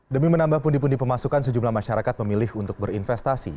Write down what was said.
demi menambah pundi pundi pemasukan sejumlah masyarakat memilih untuk berinvestasi